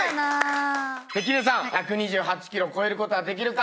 関根さん１２８キロ超えることはできるか。